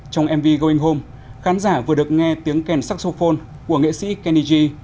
trong mv going home khán giả vừa được nghe tiếng kèn saxophone của nghệ sĩ kenny g